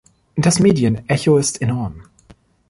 Das Medienecho ist enorm.